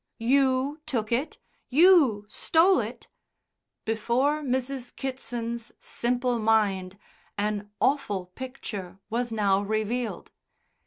"You took it? You stole it?" Before Mrs. Kitson's simple mind an awful picture was now revealed.